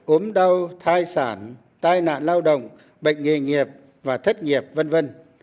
ốm đau thai sản tai nạn lao động bệnh nghề nghiệp và thất nghiệp v v